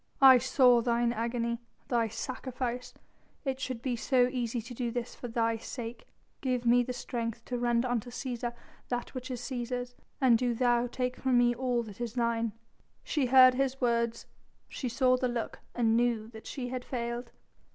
"I saw Thine agony, Thy sacrifice; it should be so easy to do this for Thy sake. Give me the strength to render unto Cæsar that which is Cæsar's, and do Thou take from me all that is Thine." She heard his words, she saw the look and knew that she had failed.